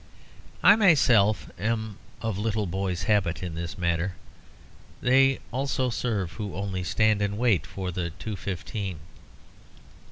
I myself am of little boys' habit in this matter. They also serve who only stand and wait for the two fifteen.